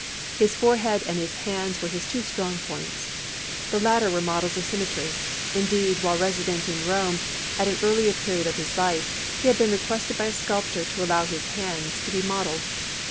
His forehead and his hands were his two strong points. The latter were models of symmetry. Indeed, while resident at Rome, at an earlier period of his life, he had been requested by a sculptor to allow his hand to be modelled.